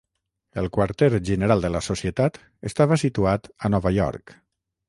El quarter general de la Societat estava situat a Nova York.